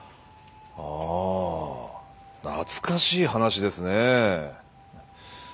ああ懐かしい話ですねえ。